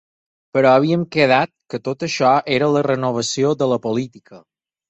Però havíem quedat que tot això era la renovació de la política.